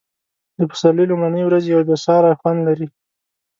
د پسرلي لومړنۍ ورځې یو بې ساری خوند لري.